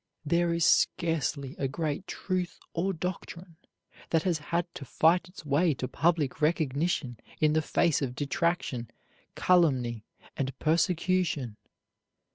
There is scarcely a great truth or doctrine but has had to fight its way to public recognition in the face of detraction, calumny, and persecution.